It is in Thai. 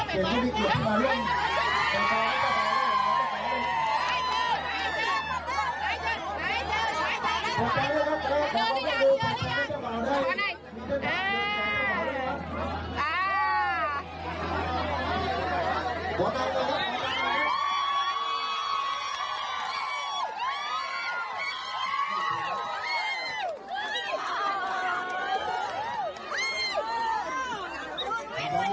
หลายตำนาน